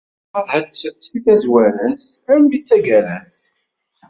Yeɣra-tt seg tazwara-s almi d taggara-s.